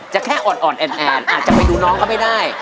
แค่อ่อนแอ่นอาจจะไปดูน้องเขาไม่ได้